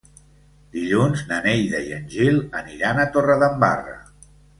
Dilluns na Neida i en Gil aniran a Torredembarra.